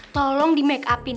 tolong di makeup in